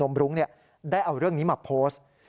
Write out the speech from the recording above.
มรุ้งได้เอาเรื่องนี้มาโพสต์